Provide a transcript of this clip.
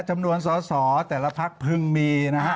จำนวนสอแต่ละพักพึงมี